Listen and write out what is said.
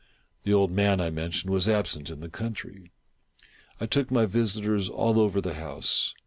The old man, I mentioned, was absent in the country. I took my visitors all over the house.